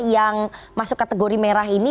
yang masuk kategori merah ini